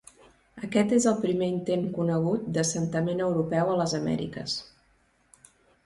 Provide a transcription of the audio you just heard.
Aquest és el primer intent conegut d'assentament europeu a les Amèriques.